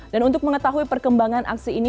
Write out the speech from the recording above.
dan untuk mengetahui perkembangan aksi ini